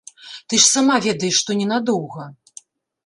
Ты ж сама ведаеш, што ненадоўга.